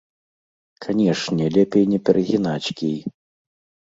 Канешне, лепей не перагінаць кій.